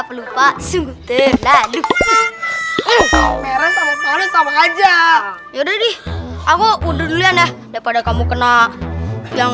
pelupa sungguh terlalu merah sama sama aja ya udah di aku dulu ya nah daripada kamu kena yang